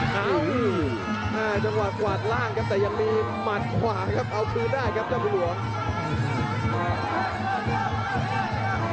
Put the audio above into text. อ้าวจังหวะกวาดล่างครับแต่ยังมีหมัดขวาครับเอาคืนได้ครับเจ้าบุญหลวง